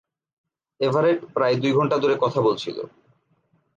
Everett প্রায় দু ঘন্টা ধরে কথা বলেছিল।